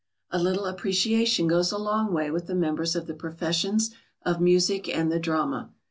] A little appreciation goes a long way with the members of the professions of music and the drama.